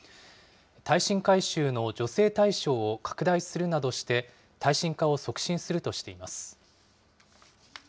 耐震改修の助成対象を拡大するなどして、耐震化を促進するとしています。